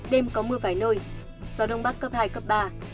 đêm có mưa vài nơi gió đông bắc cấp hai cấp ba